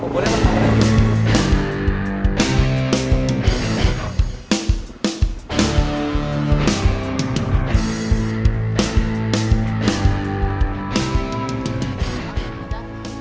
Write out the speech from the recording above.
boleh mas apa namanya